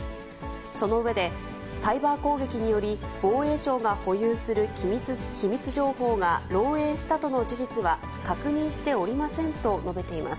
その上で、サイバー攻撃により、防衛省が保有する秘密情報が漏えいしたとの事実は確認しておりませんと述べています。